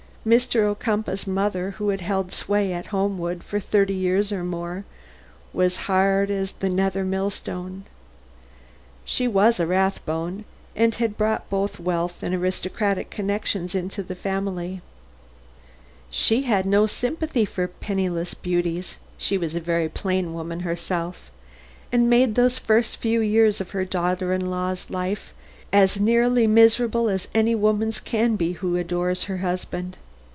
Mr. Ocumpaugh's mother, who had held sway at Homewood for thirty years or more, was hard as the nether millstone. She was a Rathbone and had brought both wealth and aristocratic connections into the family. She had no sympathy for penniless beauties (she was a very plain woman herself) and made those first few years of her daughter in law's life as nearly miserable as any woman's can be who adores her husband.